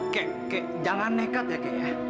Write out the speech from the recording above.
kek jangan nekat ya kek